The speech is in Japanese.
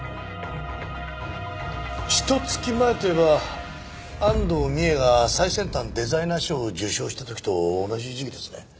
ひと月前といえば安藤美絵が最先端デザイナー賞を受賞した時と同じ時期ですね。